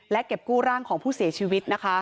และเก็บกู้ร่างของผู้เสียชีวิตนะคะ